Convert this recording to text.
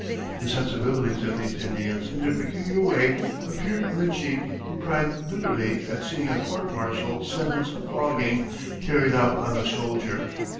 The sensibilities of these Indians in their peculiar way appeared in a chief who cried bitterly at seeing a court martial sentence of flogging carried out on a soldier.